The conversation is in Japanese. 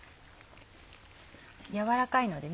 軟らかいのでね